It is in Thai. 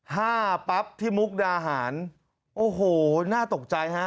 ห้าปั๊บที่มุกดาหารโอ้โหน่าตกใจฮะ